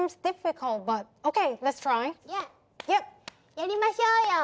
やりましょうよ。